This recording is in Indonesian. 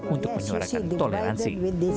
untuk menyuarakan toleransi